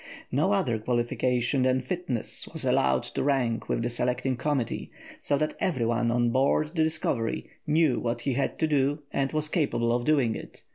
No other qualification than fitness was allowed to rank with the selecting committee, so that every one on board the Discovery knew what he had to do and was capable of doing it.